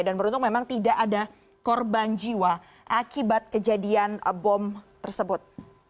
dan beruntung memang tidak ada korban jiwa akibat kejadian bom tersebut